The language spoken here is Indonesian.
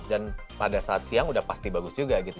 dan pada saat siang udah pasti bagus juga gitu